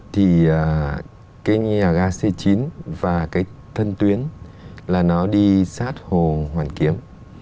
thì cái nhà ga c chín và cái thân tuyến là nó đi sát hồ hoàn kiếm